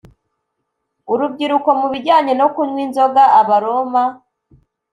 urubyiruko mu bijyanye no kunywa inzoga Abaroma